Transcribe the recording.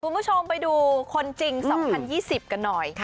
คุณผู้ชมไปดูคนจริง๒๐๒๐กันหน่อย